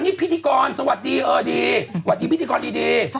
นี่พิธีกรสวัสดีวัดดีพิธีกรดี